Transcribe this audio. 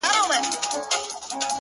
• ښه مي خړوب که په ژوند کي څه دي؟ ,